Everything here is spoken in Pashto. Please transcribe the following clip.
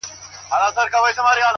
د درد د كړاوونو زنده گۍ كي يو غمى دی_